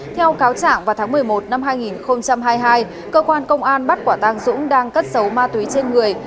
theo cáo trạng vào tháng một mươi một năm hai nghìn hai mươi hai cơ quan công an bắt quả tàng dũng đang cất xấu ma túy trên người